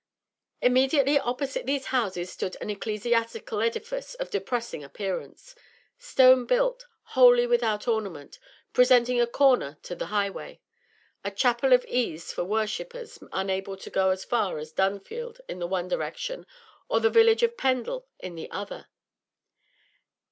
Immediately opposite these houses stood an ecclesiastical edifice of depressing appearance, stone built, wholly without ornament, presenting a corner to the highway, a chapel of ease for worshippers unable to go as far as Dunfield in the one direction or the village of Pendal in the other.